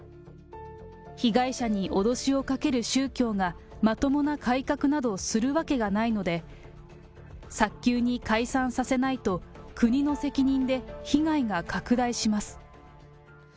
被害者に脅しをかける宗教がまともな改革などするわけがないので、早急に解散させないと、国の責任で被害が拡大します。